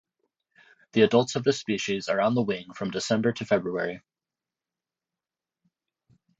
The adults of this species are on the wing from December to February.